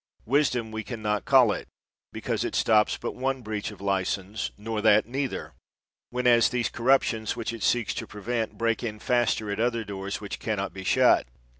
"Wisdom we can not call it, because it stops but one breach of license, nor that neither; whenas those corruptions, which it seeks to prevent, break in faster at other doors which can not be shut.